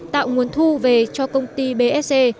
tạo nguồn thu về cho công ty bsc